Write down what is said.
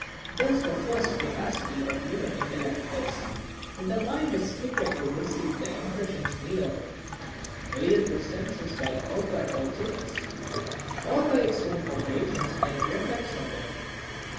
Thus the first capacity of human intellect is,—that the mind is fitted to receive the impressions made on it; either through the senses by outward objects, or by its own operations when it reflects on them.